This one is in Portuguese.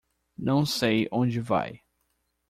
Não sei onde vai.